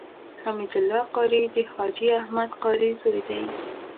حمید الله قادري د حاجي احمد قادري زوی دی.